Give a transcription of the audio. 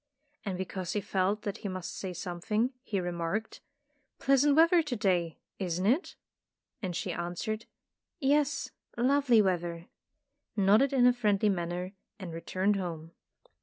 And because he felt that he must say something, he remarked, " Pleasant weather to day, isn't it?" And she answered: ''Yes, lovely weather," nodded in a friendly manner and returned home.